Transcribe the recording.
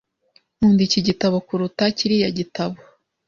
Nkunda iki gitabo kuruta kiriya gitabo.